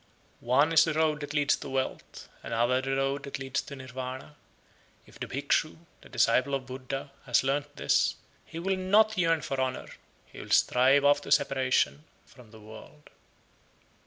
75. "One is the road that leads to wealth, another the road that leads to Nirvana;" if the Bhikshu, the disciple of Buddha, has learnt this, he will not yearn for honour, he will strive after separation from the world.